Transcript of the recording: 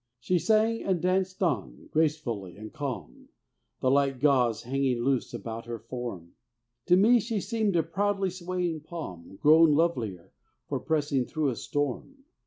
She sang and danced on gracefully and calm, The light gauze hanging loose about her form; To me she seemed a proudly swaying palm Grown lovelier for passing through a storm.